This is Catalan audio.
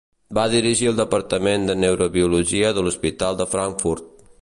Va dirigir el departament de neurobiologia de l'hospital de Frankfurt.